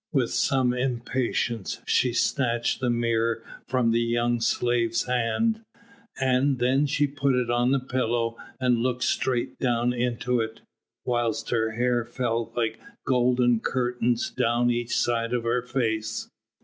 With some impatience she snatched the mirror from the young slave's hand, and then she put it on the pillow and looked straight down into it, whilst her hair fell like golden curtains down each side of her face.